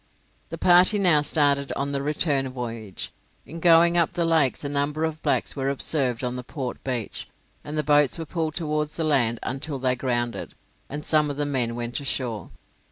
The party now started on the return voyage. In going up the lakes a number of blacks were observed on the port beach, and the boats were pulled towards the land until they grounded, and some of the men went ashore.